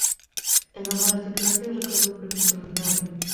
En ambas as titulacións acadou o premio extraordinario.